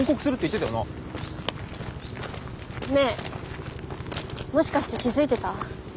ねえもしかして気付いてた？